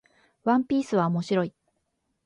ワンピースは面白い